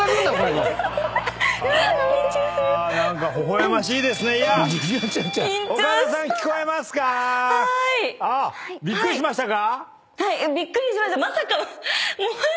はーい。びっくりしましたか？